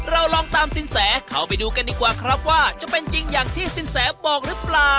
เราลองตามสินแสเข้าไปดูกันดีกว่าครับว่าจะเป็นจริงอย่างที่สินแสบอกหรือเปล่า